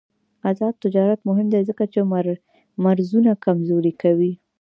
آزاد تجارت مهم دی ځکه چې مرزونه کمزوري کوي.